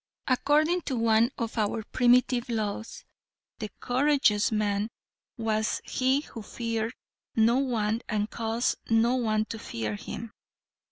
According to one of our primitive laws, the courageous man was he who feared no one and caused no one to fear him.